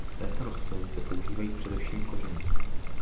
Z této rostliny se používají především kořeny.